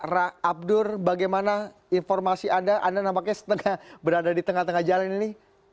ra abdur bagaimana informasi anda anda nampaknya berada di tengah tengah jalan ini